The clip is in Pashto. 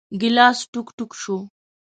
ګیلاس ټوک ، ټوک شو .